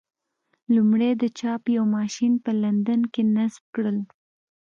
لومړی د چاپ یو ماشین په لندن کې نصب کړل.